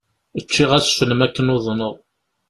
Ččiɣ asfel makken uḍneɣ.